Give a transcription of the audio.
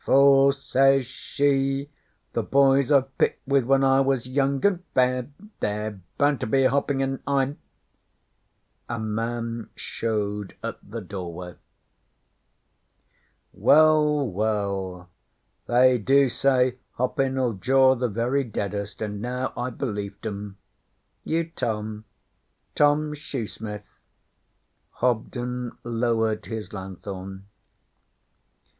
'For,' says she, 'The boys I've picked with when I was young and fair, They're bound to be at hoppin', and I'm ' A man showed at the doorway. 'Well, well! They do say hoppin' 'll draw the very deadest, and now I belieft 'em. You, Tom? Tom Shoesmith?' Hobden lowered his lanthorn.